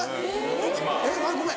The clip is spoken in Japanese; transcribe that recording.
えっごめん